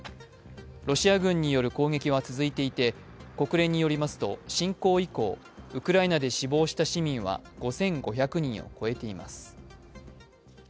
ロシア軍による攻撃は続いていて国連によりますと侵攻以降、ウクライナで死亡した市民は５５００人を超えています。